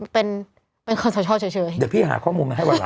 เป็นคอสชเฉยเดี๋ยวพี่หาข้อมูลให้ว่าลำ